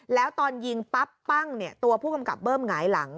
แล้วตอนยิงปั๊บปั้งตัวผู้กำกับเบิ้มหงายหลัง